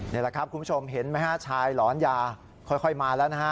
นี่แหละครับคุณผู้ชมเห็นไหมฮะชายหลอนยาค่อยมาแล้วนะฮะ